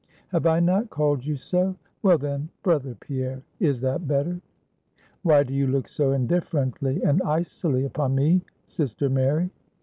"Have I not called you so? Well, then, brother Pierre, is that better?" "Why do you look so indifferently and icily upon me, sister Mary?"